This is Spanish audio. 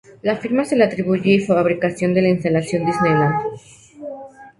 La firma se le atribuye fabricación de la instalación Disneyland.